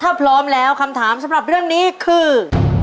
ถ้าพร้อมแล้วคำถามสำหรับเรื่องนี้คือ